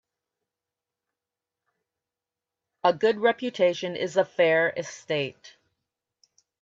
A good reputation is a fair estate.